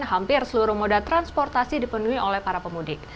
hampir seluruh moda transportasi dipenuhi oleh para pemudik